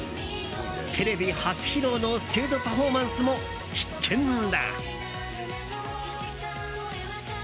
テレビ初披露のスケートパフォーマンスも必見だ。